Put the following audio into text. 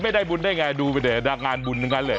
ไม่ได้บุญได้ไงดูไปหน่อยงานบุญกันเลย